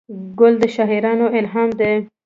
ګل د شاعرانو الهام دی.